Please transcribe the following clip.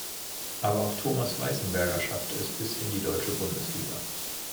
Aber auch Thomas Weissenberger schaffte es bis in die deutsche Bundesliga.